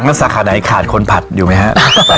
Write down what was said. แล้วสาขาไหนขาดคนผัดอยู่ไหมฮะ